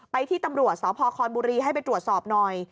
ที่ตำรวจสพคอนบุรีให้ไปตรวจสอบหน่อย